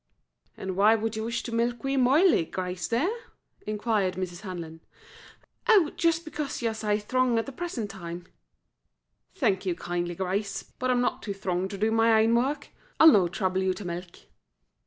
"An' why wad you wish to milk wee Moiley, Grace, dear?" inquired Mrs. Hanlon. "Oh, just becase you're sae throng at the present time." "Thank you kindly, Grace, but I'm no too throng to do my ain work. I'll no trouble you to milk."